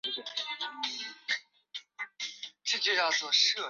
镍镉电池是一种流行的蓄电池。